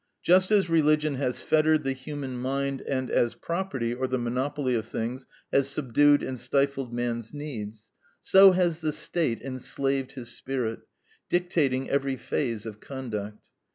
Just as religion has fettered the human mind, and as property, or the monopoly of things, has subdued and stifled man's needs, so has the State enslaved his spirit, dictating every phase of conduct.